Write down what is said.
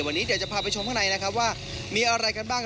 วันนี้เดี๋ยวจะพาไปชมข้างในนะครับว่ามีอะไรกันบ้าง